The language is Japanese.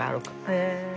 へえ。